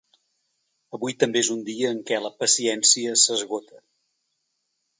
Avui també és un dia en què la paciència s’esgota.